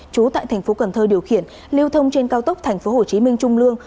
chú tại tp cn điều khiển lưu thông trên cao tốc tp hcm trung lương